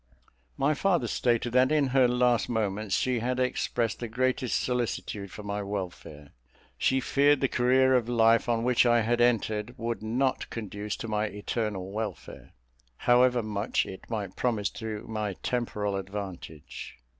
My father stated that in her last moments she had expressed the greatest solicitude for my welfare. She feared the career of life on which I had entered would not conduce to my eternal welfare, however much it might promise to my temporal advantage.